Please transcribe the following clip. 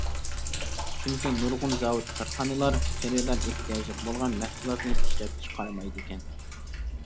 چۈنكى نۇرغۇن زاۋۇت كارخانىلار خېرىدار ئېھتىياجلىق بولغان مەھسۇلاتنى ئىشلەپچىقارمايدىكەن.